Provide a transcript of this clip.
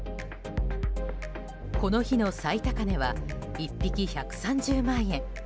この日の最高値は１匹１３０万円。